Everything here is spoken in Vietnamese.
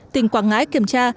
tỉnh quảng ngãi kiểm tra